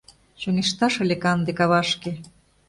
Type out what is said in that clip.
Чоҥешташ ыле канде кавашке.